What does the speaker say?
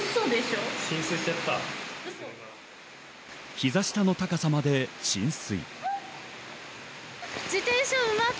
膝下の高さまで浸水。